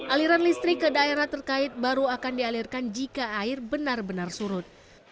aliran listrik ke daerah terkait baru akan dialirkan jika air benar benar surut